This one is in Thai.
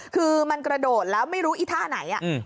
คือมันกระโดดแล้วไม่รู้อีท่าไหน